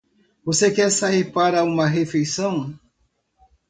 Você quer sair para uma refeição?